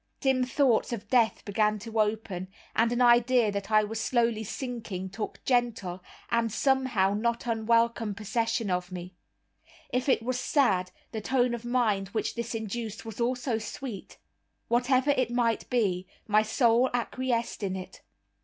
Dim thoughts of death began to open, and an idea that I was slowly sinking took gentle, and, somehow, not unwelcome, possession of me. If it was sad, the tone of mind which this induced was also sweet. Whatever it might be, my soul acquiesced in it.